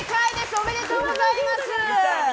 おめでとうございます。